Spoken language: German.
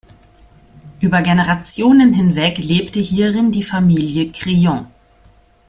Über Generationen hinweg lebte hierin die Familie Crillon.